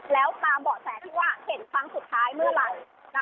แล้วตามเบาะแสที่ว่าเห็นครั้งสุดท้ายเมื่อไหร่